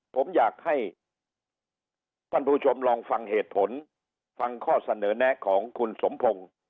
ผมอยากให้ท่านผู้ชมลองฟังเหตุผลฟังข้อเสนอแนะของคุณสมพงศ์